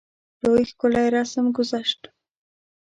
لوی ښکلی رسم ګذشت وو.